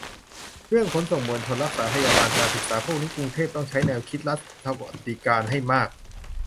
เรื่อง ขนส่งมวลชน รักษาพยาบาล การศึกษา พวกนี้ กรุงเทพต้องใช้แนวคิด รัฐสวัสดิการ ให้มาก